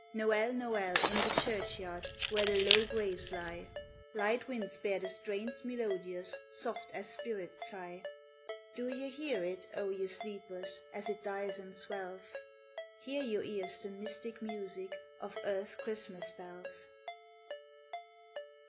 Noel ! Noel ! In the church yard. Where the low graves lie. Light winds bear the strains melodious. Soft as spirit's sigh ; Do ye hear it, O ye sleepers. As it dies and swells ? Hear your ears the mystic music Of earth's Christmas bells